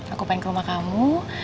aku pengen ke rumah kamu